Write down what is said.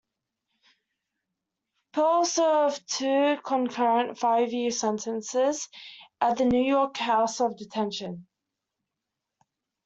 Perl served two concurrent five-year sentences at the New York House of Detention.